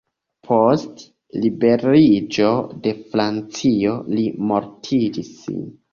Post liberiĝo de Francio, li mortigis sin.